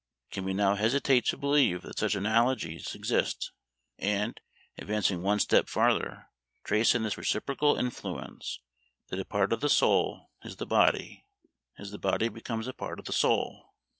Can we now hesitate to believe that such analogies exist and, advancing one step farther, trace in this reciprocal influence that a part of the soul is the body, as the body becomes a part of the soul?